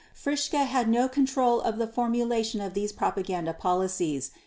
Fritzsche had no control of the formulation of these propaganda policies.